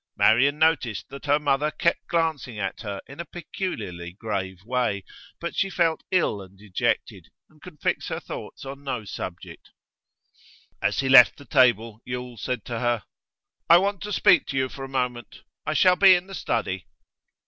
Marian noticed that her mother kept glancing at her in a peculiarly grave way; but she felt ill and dejected, and could fix her thoughts on no subject. As he left the table Yule said to her: 'I want to speak to you for a moment. I shall be in the study.